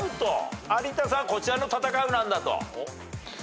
有田さんはこちらのたたかうなんだと。